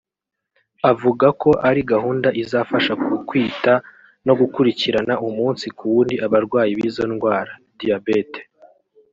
avuga ko ’ari gahunda izafasha ku kwita no gukurikirana umunsi ku wundi abarwayi b’izo ndwara ( diabete